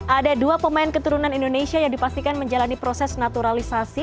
ada dua pemain keturunan indonesia yang dipastikan menjalani proses naturalisasi